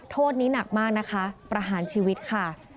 โทษนี้หนักมากนะคะประหารชีวิตค่ะ